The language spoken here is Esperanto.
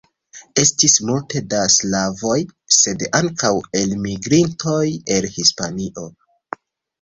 Estis multe da sklavoj, sed ankaŭ elmigrintoj el Hispanio.